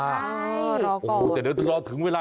ใช่รอก่อนโอ๊ยแต่เดี๋ยวรอถึงเวลา